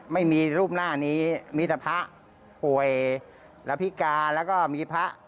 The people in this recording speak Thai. ไม่มีรูปหน้านี้มีแต่พระป่วยและพิการแล้วก็มีพระ